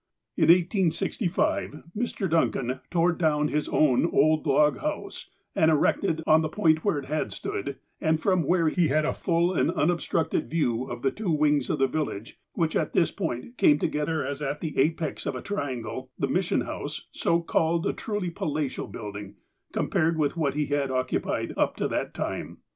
In 1865, Mr. Duncan tore down his own old log house, and erected, on the point where it had stood, and from where he had a full and unobstructed view of the two wings of the village, which at this point came together as at the apex of a triangle, the Mission House, so called, a truly palatial building, compared with what he had occu pied up to that time.